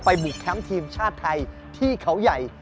บุกแคมป์ทีมชาติไทยที่เขาใหญ่